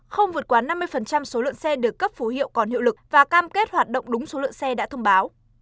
không vượt quá năm mươi số lượng xe được cấp phù hiệu còn hiệu lực và cam kết hoạt động đúng số lượng xe đã thông báo